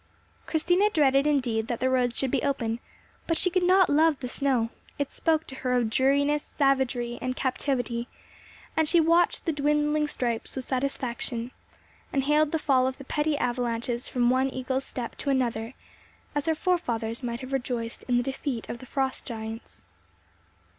Christina dreaded indeed that the roads should be open, but she could not love the snow; it spoke to her of dreariness, savagery, and captivity, and she watched the dwindling stripes with satisfaction, and hailed the fall of the petty avalanches from one Eagle's Step to another as her forefathers might have rejoiced in the defeat of the Frost giants.